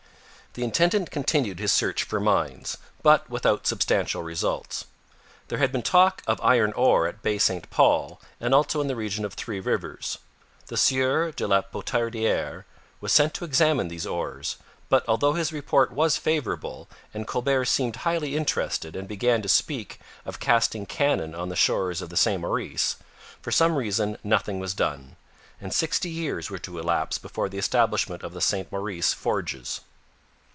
The intendant continued his search for mines, but without substantial results. There had been much talk of iron ore at Baie Saint Paul and also in the region of Three Rivers. The Sieur de la Potardiere was sent to examine these ores; but, although his report was favourable and Colbert seemed highly interested and began to speak of casting cannon on the shores of the Saint Maurice, for some reason nothing was done, and sixty years were to elapse before the establishment of the Saint Maurice forges.